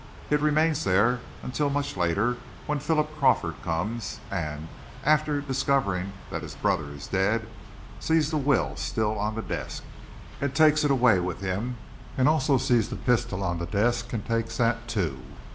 It remains there until much later when Philip Crawford comes, and, after discovering that his brother is dead, sees the will still on the desk and takes it away with him, and also sees the pistol on the desk, and takes that, too.